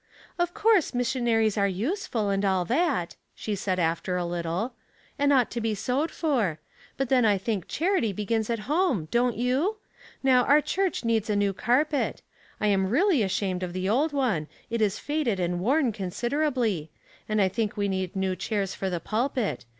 " Of course missionaries are useful, and all that," she said, after a little, "and ought to be sewed for ; but then I think charity begins at home, don't you ? Now our church needs a new carpet. I am really ashamed of the old one, it is faded and worn considerably ; and 1 think we need new chairs for the pulpit.